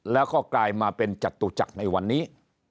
แล้วก็กลายมาเป็นจตุจักรในวันนี้